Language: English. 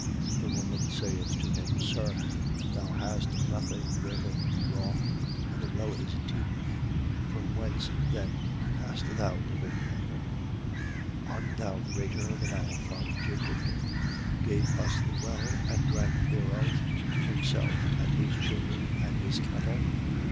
The woman saith to him: Sir, thou hast nothing wherein to draw, and the well is deep. From whence then hast thou living water? 4:12. Art thou greater than our father Jacob, who gave us the well and drank thereof, himself and his children and his cattle?